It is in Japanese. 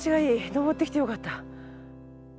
登ってきてよかった。